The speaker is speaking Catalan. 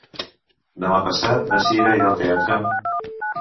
Demà passat na Sira irà al teatre.